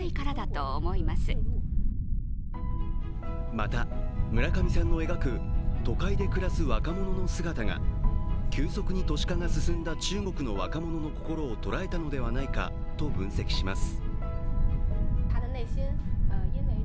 また、村上さんの描く都会で暮らす若者の姿が急速に都市化が進んだ中国の若者の心を捉えたのではないかと分析します。